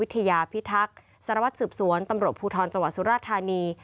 สารวัตรสืบสวนตำรวจภูทรจังหวัดสุรทานี